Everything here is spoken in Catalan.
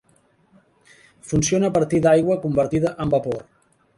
Funciona a partir d’aigua convertida en vapor.